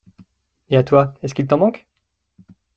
Et à toi, est-ce qu’il t’en manque ?